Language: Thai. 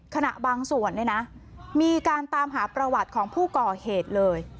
บางส่วนเนี่ยนะมีการตามหาประวัติของผู้ก่อเหตุเลย